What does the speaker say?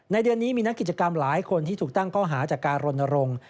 เดือนนี้มีนักกิจกรรมหลายคนที่ถูกตั้งข้อหาจากการรณรงค์